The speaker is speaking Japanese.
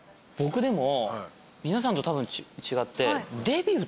僕でも皆さんとたぶん違って。